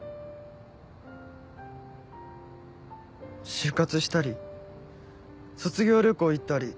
就活したり卒業旅行行ったり。